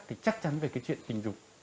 thì chắc chắn về cái chuyện tình dục